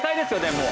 もう。